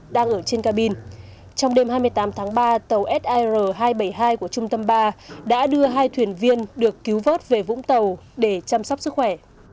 đang ở trên cabin trong đêm hai mươi tám tháng ba tàu sir hai trăm bảy mươi hai của trung tâm ba đã đưa hai thuyền viên được cứu vớt về vũng tàu để chăm sóc sức khỏe